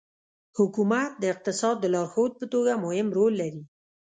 حکومت د اقتصاد د لارښود په توګه مهم رول لري.